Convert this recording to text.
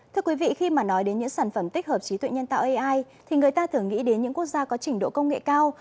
thưa quý vị khi mà nói đến những sản phẩm tích hợp trí tuệ nhân tạo ai thì người ta thường nghĩ đến những quốc gia có trình độ công nghệ cao